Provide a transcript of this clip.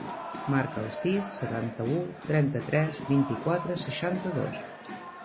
Marca el sis, setanta-u, trenta-tres, vint-i-quatre, seixanta-dos.